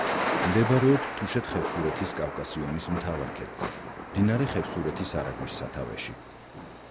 მდებარეობს თუშეთ-ხევსურეთის კავკასიონის მთავარ ქედზე, მდინარე ხევსურეთის არაგვის სათავეში.